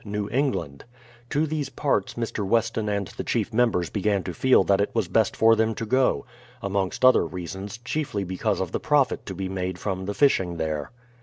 New England. To these parts, Mr. Weston and the chief members began to feel that it was best for them to go, — amongst other reasons, chiefly because of the profit to be made from the fishing there.